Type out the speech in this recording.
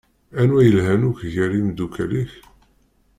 Anwa yelhan akk gar imdukal-ik?